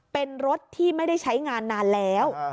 เป็นรถที่ไม่ได้ใช้งานนานแล้ว